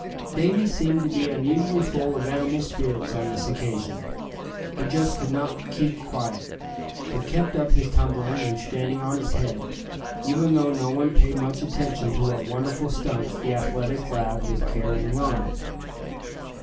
Davy seemed to be unusually full of animal spirits on this occasion. He just could not keep quiet, but kept up his tumbling, and standing on his head, even though no one paid much attention to what wonderful stunts the athletic lad was carrying on.